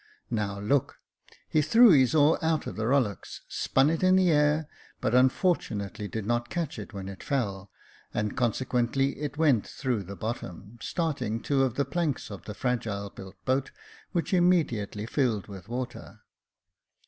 "Now look." He threw his oar out of the rollocks, spun it in the air, but unfortunately did not catch it when it fell, and con sequently it went through the bottom, starting two of the planks of the fragile built boat, which immediately filled with water.